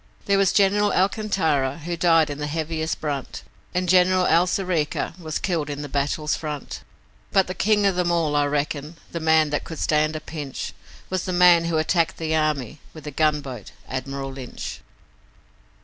There was General Alcantara, who died in the heaviest brunt, And General Alzereca was killed in the battle's front; But the king of 'em all, I reckon the man that could stand a pinch Was the man who attacked the army with the gunboat 'Admiral Lynch'.